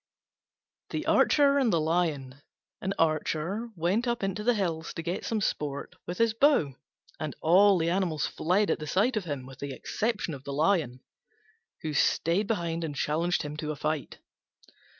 THE ARCHER AND THE LION An Archer went up into the hills to get some sport with his bow, and all the animals fled at the sight of him with the exception of the Lion, who stayed behind and challenged him to fight.